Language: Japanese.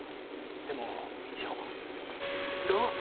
でも一応。